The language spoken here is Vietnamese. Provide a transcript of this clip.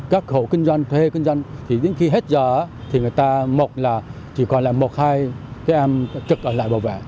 các hộ kinh doanh thuê kinh doanh thì đến khi hết giờ thì người ta một là chỉ còn lại một hai cái em trực ở lại bảo vệ